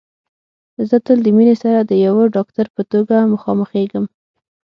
زه تل د مينې سره د يوه ډاکټر په توګه مخامخېږم